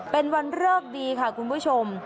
เป็นวันเลิกดีค่ะคุณผู้ชม